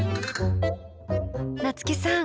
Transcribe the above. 夏木さん